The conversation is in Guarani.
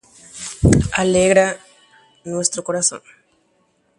ombohory ñane korasõ